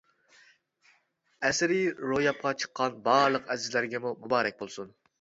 ئەسىرى روياپقا چىققان بارلىق ئەزىزلەرگىمۇ مۇبارەك بولسۇن!